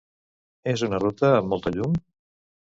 Era una ruta amb molta llum?